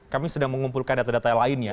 kami sedang mengumpulkan data data lainnya